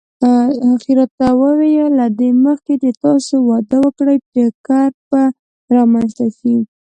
هغې راته وویل: له دې مخکې چې تاسې واده وکړئ ټکر به رامنځته شي.